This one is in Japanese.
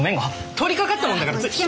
通りかかったもんだからつい。